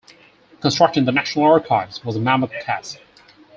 Constructing the National Archives was a mammoth task.